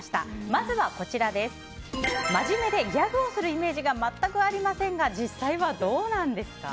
まずは、真面目でギャグをするイメージが全くありませんが実際はどうなんですか？